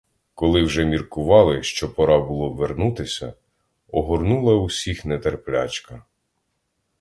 Коли вже міркували, що пора було вернутися, огорнула усіх нетерплячка.